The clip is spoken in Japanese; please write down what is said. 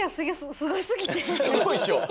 すごいでしょ。